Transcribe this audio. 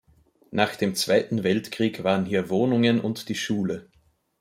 Nach dem Zweiten Weltkrieg waren hier Wohnungen und die Schule.